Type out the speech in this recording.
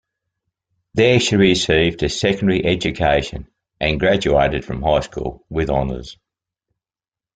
There she received her secondary education and graduated from high school with honors.